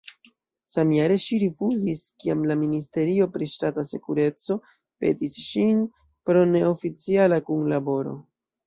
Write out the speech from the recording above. Samjare ŝi rifuzis, kiam la ministerio pri ŝtata sekureco petis ŝin pri neoficiala kunlaboro.